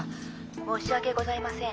「申し訳ございません。